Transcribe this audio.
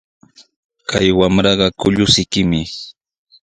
Kay wamraqa kullusikimi.